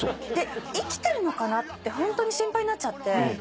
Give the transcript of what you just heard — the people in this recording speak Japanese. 生きてるのかなってホントに心配になっちゃって。